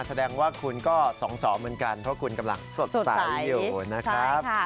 แสดงว่าคุณก็๒๒เหมือนกันเพราะคุณกำลังสดใสอยู่นะครับ